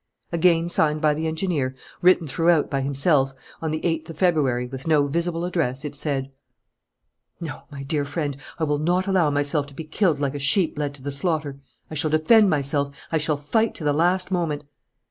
Again signed by the engineer, written throughout by himself, on the eighth of February, with no visible address, it said: "No, my dear friend, I will not allow myself to be killed like a sheep led to the slaughter. I shall defend myself, I shall fight to the last moment.